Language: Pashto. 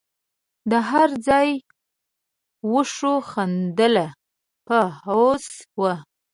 د هر ځای وښو خندله په هوس وه